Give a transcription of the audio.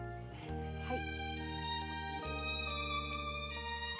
はい。